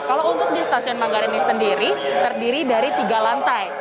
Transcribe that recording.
kalau untuk di stasiun manggarai ini sendiri terdiri dari tiga lantai